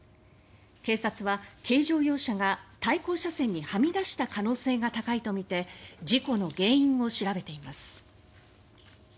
警察は、軽乗用車が対向車線にはみ出した可能性が高いとみて事故の原因を調べています。